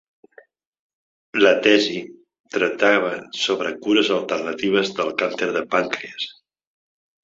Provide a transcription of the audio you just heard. La tesi tractava sobre cures alternatives del càncer de pàncrees.